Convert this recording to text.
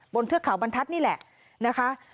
เทือกเขาบรรทัศน์นี่แหละนะคะ